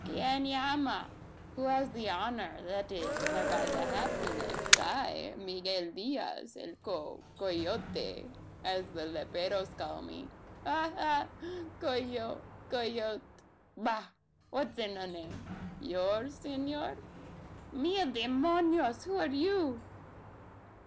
"Quien llama! Who has the honour that is, have I the happiness I, Miguel Diaz el Co coyote, as the leperos call me. Ha, ha! coyo coyot. Bah! what's in a name? Yours, S'nor? Mil demonios! who are you?"